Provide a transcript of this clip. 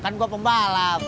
kan gue pembalap